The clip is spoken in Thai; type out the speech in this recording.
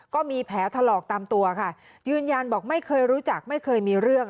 ก็มีแผลถลอกตามตัวค่ะยืนยันบอกไม่เคยรู้จักไม่เคยมีเรื่อง